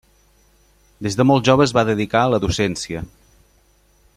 Des de molt jove es va dedicar a la docència.